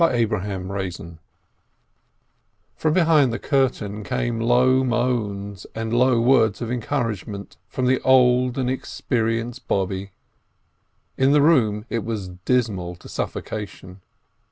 THE KADDISH From behind the curtain came low moans, and low words of encouragement from the old and experienced Bobbe. In the room it was dismal to suffocation.